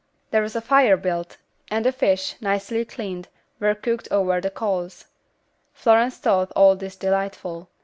There was a fire built, and the fish, nicely cleaned, were cooked over the coals. Florence thought all this delightful.